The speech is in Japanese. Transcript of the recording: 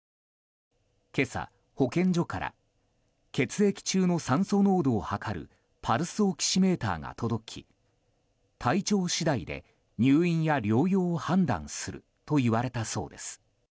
今朝、保健所から血液中の酸素濃度を測るパルスオキシメーターが届き体調次第で入院や療養を判断すると言われたそうです。